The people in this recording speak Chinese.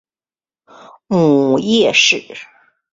母叶氏。